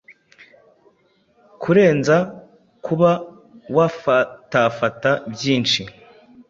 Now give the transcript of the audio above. kurenza kuba wafatafata byinshi.